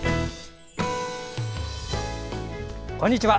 こんにちは。